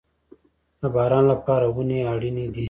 د باران لپاره ونې اړین دي